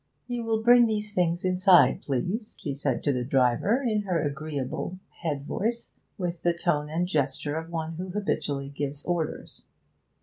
'You will bring these things inside, please,' she said to the driver, in her agreeable head voice, with the tone and gesture of one who habitually gives orders.